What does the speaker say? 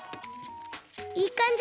いいかんじ。